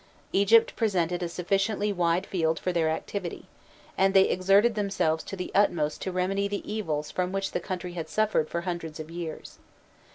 Egypt presented a sufficiently wide field for their activity, and they exerted themselves to the utmost to remedy the evils from which the country had suffered for hundreds of years.